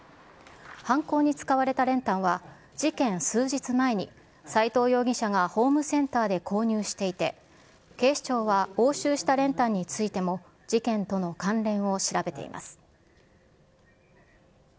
犯行に使われた練炭は、事件数日前に、斎藤容疑者がホームセンターで購入していて、警視庁は押収した練炭についても、事件との関連を調べています。